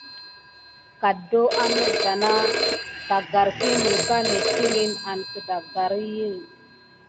Ka adon anada agaɗɗa yi melipa metikini an katurhu kenani.